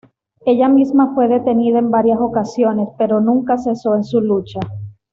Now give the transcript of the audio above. Ella misma fue detenida en varias ocasiones, pero nunca cesó en su lucha.